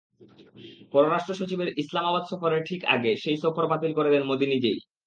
পররাষ্ট্রসচিবের ইসলামাবাদ সফরের ঠিক আগে সেই সফর বাতিল করে দেন মোদি নিজেই।